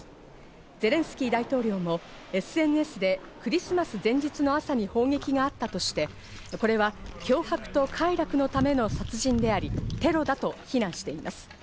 ゼレンスキー大統領もＳＮＳでクリスマス前日の朝に砲撃があったとして、これは脅迫と快楽のための殺人であり、テロだと非難しています。